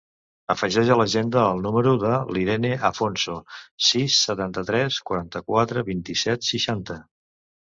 Afegeix a l'agenda el número de l'Irene Afonso: sis, setanta-tres, quaranta-quatre, vint-i-set, seixanta.